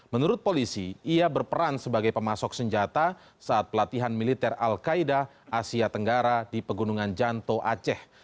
menurut polisi ia berperan sebagai pemasok senjata saat pelatihan militer al qaeda asia tenggara di pegunungan janto aceh